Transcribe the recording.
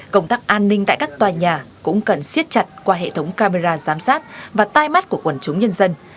công tác an ninh tại các tòa nhà cũng cần siết chặt qua hệ thống camera giám sát và tai mắt của quần chúng nhân dân